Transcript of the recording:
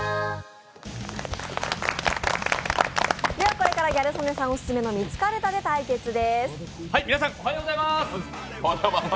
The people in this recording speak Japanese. これからギャル曽根さんオススメの「ミツカルタ」で対決です。